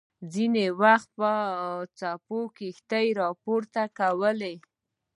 ځینې وخت به څپو کښتۍ پورته کوله.